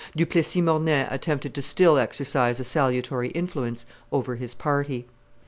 Du Plessis Mornay attempted to still exercise a salutary influence over his party.